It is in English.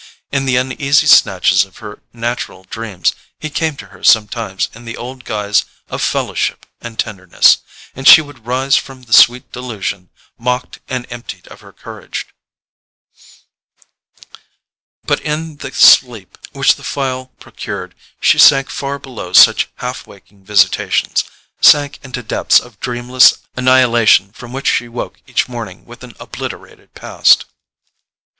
In the uneasy snatches of her natural dreams he came to her sometimes in the old guise of fellowship and tenderness; and she would rise from the sweet delusion mocked and emptied of her courage. But in the sleep which the phial procured she sank far below such half waking visitations, sank into depths of dreamless annihilation from which she woke each morning with an obliterated past.